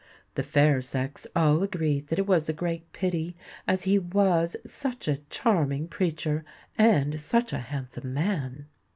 The fair sex all agreed that it was a great pity, as he was such a charming preacher and such a handsome man!